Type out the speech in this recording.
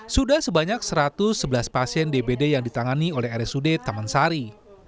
sudah sebanyak satu ratus sebelas pasien dbd yang ditangani oleh rsud taman sari